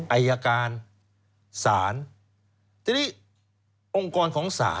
อายการศาลทีนี้องค์กรของศาล